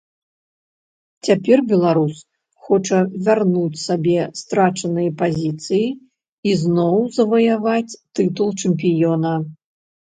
Цяпер беларус хоча вярнуць сабе страчаныя пазіцыі і зноў заваяваць тытул чэмпіёна.